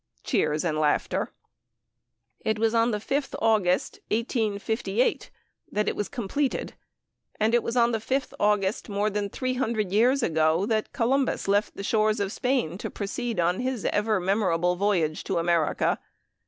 (Cheers and laughter.) It was on the 5th August, 1858, it was completed, and it was on the 5th August, more than three hundred years ago, that Columbus left the shores of Spain to proceed on his ever memorable voyage to America.